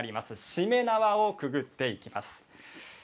しめ縄をくぐっていきます。